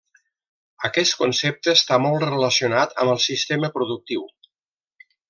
Aquest concepte està molt relacionat amb el sistema productiu.